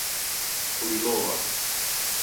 Kurillova